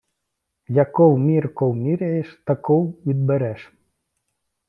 Яков мірков міряєш, таков відбереш!